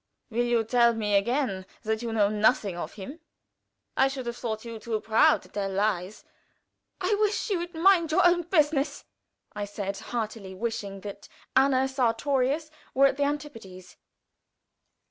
Will you tell me again that you know nothing of him? I should have thought you too proud to tell lies." "I wish you would mind your own business," said I, heartily wishing that Anna Sartorius were at the antipodes.